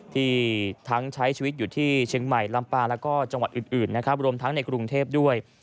ที่ทั้งใช้ชีวิตอยู่ที่เชียงใหม่ลำปางแล้วก็จังหวัดอื่นนะครับรวมทั้งในกรุงเทพด้วย